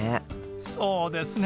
そうですね。